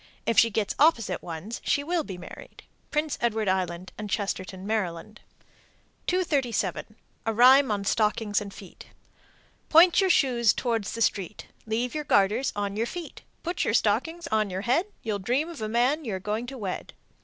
If she gets opposite ones, she will be married. Prince Edward Island and Chestertown, Md. 237. A rhyme on stockings and shoes: Point your shoes towards the street, Leave your garters on your feet, Put your stockings on your head, You'll dream of the man you are going to wed.